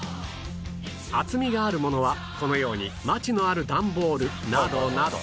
厚みがあるものはこのようにマチのある段ボールなどなど